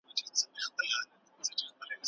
څوک د اوبو لګولو د نویو شبکو د جوړولو چاري پرمخ وړي؟